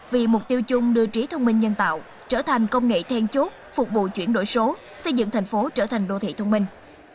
vì mục tiêu chung đưa trí thông minh nhân tạo trở thành công nghệ then chốt phục vụ chuyển đổi số xây dựng thành phố trở thành đô thị thông minh